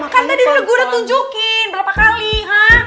kan tadi gue udah tunjukin berapa kali ha